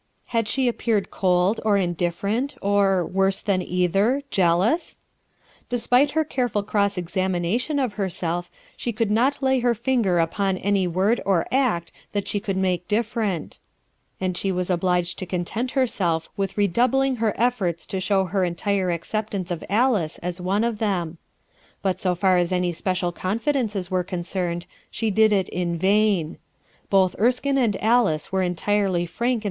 Had she appeared cold, or indifferent, or worse than either, jealous? Despite her careful cross examination of herself she could not lay her finger upon any word or act that she could make different; and she was obliged to content herself with redoubling her efforts to show her entire acceptance of Alice as one of them; but so far as any special confidences SO RUTH ERSKINE'B SON were concerned she did it in Va j n Erekine and Alice were entirely frank in n?